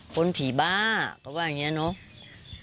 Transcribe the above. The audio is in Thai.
คนผีบ้าเขาว่าอย่างนี้เนาะ